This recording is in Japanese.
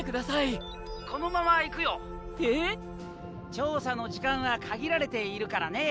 調査の時間は限られているからね。